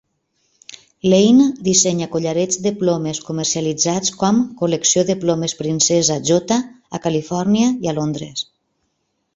Lane dissenya collarets de plomes comercialitzats com "Col·lecció de Plomes Princesa J." a Califòrnia i a Londres.